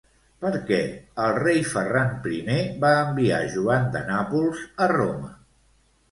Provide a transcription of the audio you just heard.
Per què el rei Ferran I va enviar Joan de Nàpols a Roma?